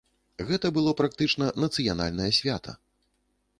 Гэта было практычна нацыянальнае свята.